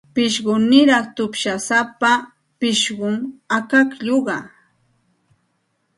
Chiqchiniraq tupshusapa pishqum akaklluqa.